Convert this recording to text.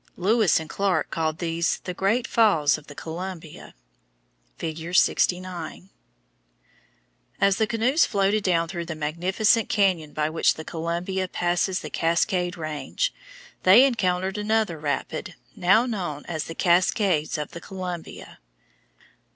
Lewis and Clark called these the Great Falls of the Columbia (Fig. 69). As the canoes floated down through the magnificent cañon by which the Columbia passes the Cascade Range, they encountered another rapid, now known as the Cascades of the Columbia.